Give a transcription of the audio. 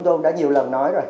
ông đã nhiều lần nói rồi